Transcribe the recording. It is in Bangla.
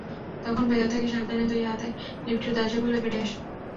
তখন ভেতর থেকে সাবধানে দুই হাতে লিফটের দরজা খুলে বেরিয়ে আসুন।